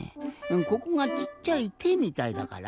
ここがちっちゃいてみたいだから？